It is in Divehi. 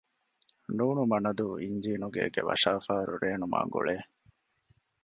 ނ.މަނަދޫ އިންޖީނުގޭގެ ވަށާފާރު ރޭނުމާގުޅޭ